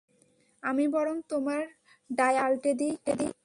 আমি বরং তোমার ডায়াপার পাল্টে দিই।